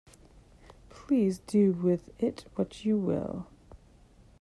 Please, do with it what you will.